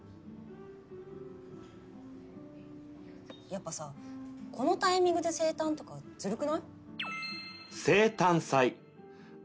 やっぱさこのタイミングで生誕とかずるくない？